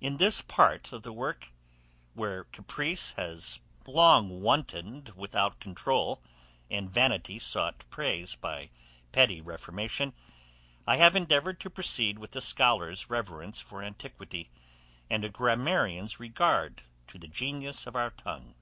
In this part of the work, where caprice has long wantoned without controul, and vanity sought praise by petty reformation, I have endeavoured to proceed with a scholar's reverence for antiquity, and a grammarian's regard to the genius of our tongue.